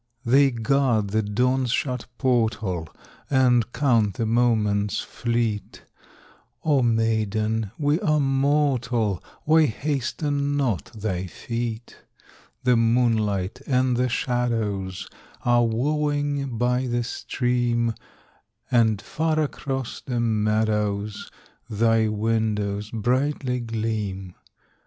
They guard the dawn's shut portal And count the moments fleet, O maiden, we are mortal, Why hasten not thy feet? The moonlight and the shadows Are wooing by the stream, And far across the meadows Thy windows brightly gleam.